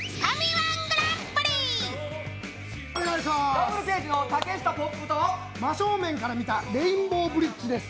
Ｗ刑事の竹下ポップと真正面から見たレインボーブリッジです。